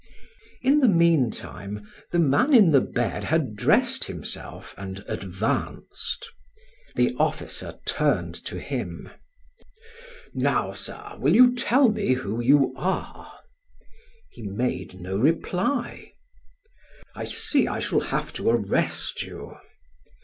In the meantime the man in the bed had dressed himself and advanced. The officer turned to him: "Now, sir, will you tell me who you are?" He made no reply. "I see I shall have to arrest you."